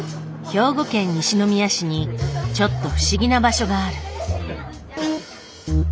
兵庫県西宮市にちょっと不思議な場所がある。